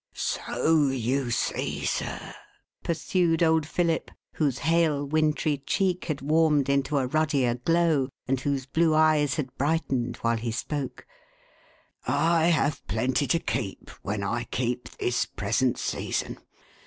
EMBARRASSMENT OF MR. SWIDGEH. 431 " So you see, sir," pursued old Philip, whose hale wintry cheek had warmed into a ruddier glow, and whose blue eyes had brightened while he spoke, " I have plenty to keep, when I keep this present season.